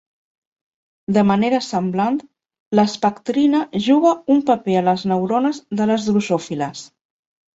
De manera semblant, l'espectrina juga un paper a les neurones de les drosòfiles.